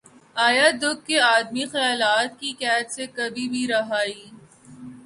آ۔ یاد رکھ کہ آدمی خیالات کی قید سے کبھی بھی رہائ